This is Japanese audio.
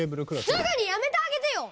すぐにやめてあげてよ！